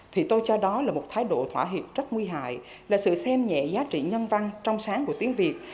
thì tôi cho đó là một thái độ thỏa hiệp rất nguy hại là sự xem nhẹ giá trị nhân văn trong sáng của tiếng việt